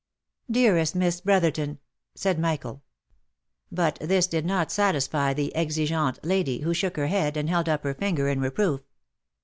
" Dearest Miss Brotherton !" said Michael. But this did not satisfy the exigeante lady, who shook her head, and held up her finger in re proof.